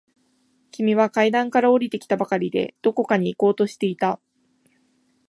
君は階段から下りてきたばかりで、どこかに行こうとしていた。